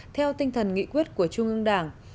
theo tinh thần nghị quyết của trung ương đảng